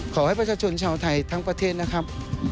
ขอให้ประชาชนชาวไทยทั้งประเทศนะครับ